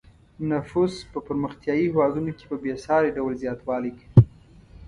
نفوس په پرمختیايي هېوادونو کې په بې ساري ډول زیاتوالی کوي.